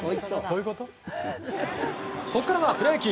ここからはプロ野球！